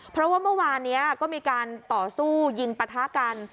เพราะว่าเมื่อวานนี้ก็มีการต่อสู้ยิงปะทะกัน